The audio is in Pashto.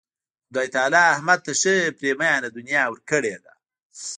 خدای تعالی احمد ته ښه پرېمانه دنیا ورکړې ده.